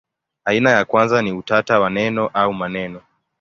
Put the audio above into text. Aina ya kwanza ni utata wa neno au maneno.